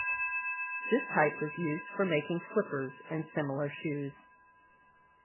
This type was used for making slippers and similar shoes.